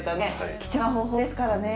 貴重な方法ですからね。